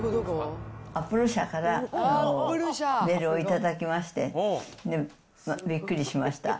アップル社から、メールを頂きまして、びっくりしました。